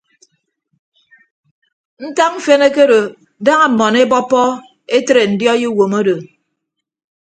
Ntak mfen ekedo daña mmọn ebọppọ etre ndiọi uwom odo.